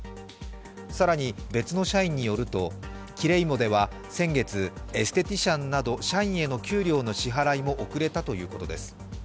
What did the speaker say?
更に、別の社員によるとキレイモでは先月、エステティシャンなど社員への給料の支払いも遅れたということです。